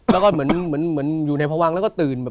แล้วก็เหมือนอยู่ในพวังแล้วก็ตื่น